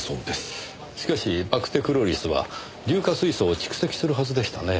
しかしバクテクロリスは硫化水素を蓄積するはずでしたね。